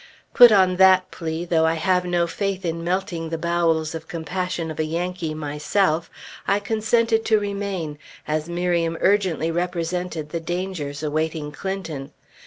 Put on that plea, though I have no faith in melting the bowels of compassion of a Yankee, myself, I consented to remain, as Miriam urgently represented the dangers awaiting Clinton.